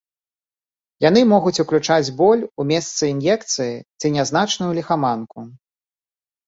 Яны могуць уключаць боль у месцы ін'екцыі ці нязначную ліхаманку.